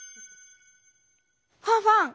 ファンファン！